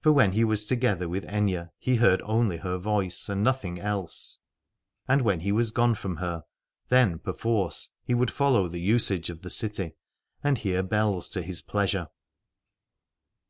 For when he was together with Aithne he heard only her voice and nothing else : but when he was gone from her, then perforce he would follow the usage of the city and hear bells to his pleasure.